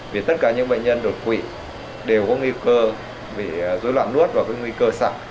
vì tất cả những bệnh nhân đột quỵ đều có nguy cơ bị dối loạn nuốt và cái nguy cơ sặc